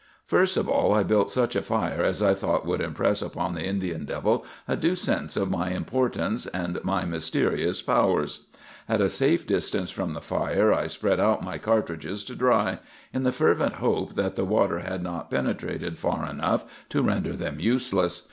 "First of all, I built such a fire as I thought would impress upon the Indian devil a due sense of my importance and my mysterious powers. At a safe distance from the fire I spread out my cartridges to dry, in the fervent hope that the water had not penetrated far enough to render them useless.